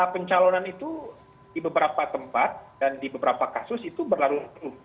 pencalonan itu di beberapa tempat dan di beberapa kasus itu berlarut